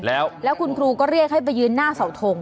แล้วคุณครูก็เรียกให้ไปยืนหน้าเสาทง